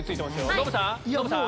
ノブさん？